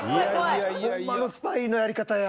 ほんまのスパイのやり方や。